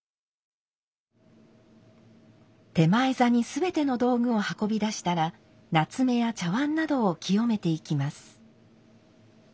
点前座に全ての道具を運び出したら棗や茶碗などを清めていきます。